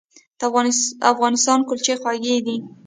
د افغانستان کلچې خوږې دي